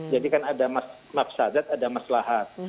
jadi kan ada mafsadat ada maslahat